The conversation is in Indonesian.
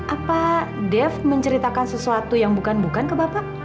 apa dev menceritakan sesuatu yang bukan bukan ke bapak